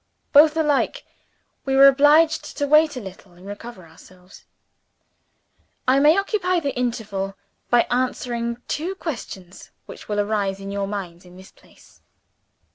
Both alike, we were obliged to wait a little and recover ourselves. I may occupy the interval by answering two questions which will arise in your minds in this place.